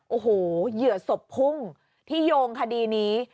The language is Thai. โอ้โหเหยื่อศพพุ่งที่โยงคดีนี้